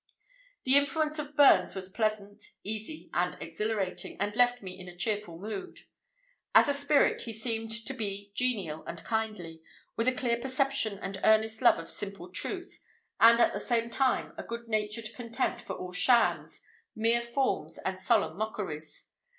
The influence of Burns was pleasant, easy, and exhilarating, and left me in a cheerful mood. As a spirit, he seemed to be genial and kindly, with a clear perception and earnest love of simple truth, and at the same time a good natured contempt for all shams, mere forms, and solemn mockeries.